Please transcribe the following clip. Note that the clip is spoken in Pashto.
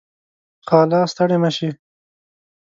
خاله . ستړې مشې